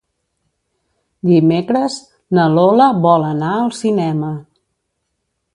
Dimecres na Lola vol anar al cinema.